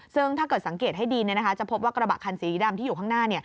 ซึ่งถ้าเกิดสังเกตให้ดีจะพบว่ากระบะคันสีดำที่อยู่ข้างหน้า